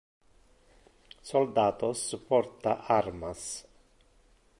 Soldatos porta armas.